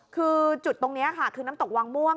คือจุดตรงนี้ค่ะคือน้ำตกวังม่วง